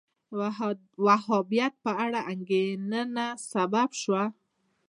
د وهابیت په اړه انګېرنه سبب شو